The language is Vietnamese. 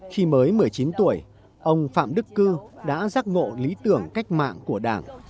khi mới một mươi chín tuổi ông phạm đức cư đã giác ngộ lý tưởng cách mạng của đảng